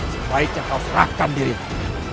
sebaiknya kau serahkan dirimu